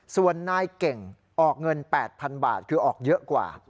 ส่วนนายเก่งออกเงิน๘๐๐๐บาทคือออกเยอะกว่า